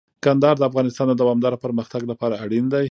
کندهار د افغانستان د دوامداره پرمختګ لپاره اړین دی.